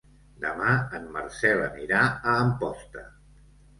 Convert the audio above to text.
Demà en Marcel anirà a Amposta.